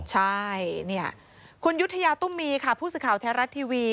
ใช่เนี่ยคุณยุธยาตุ้มมีค่ะผู้สื่อข่าวแท้รัฐทีวี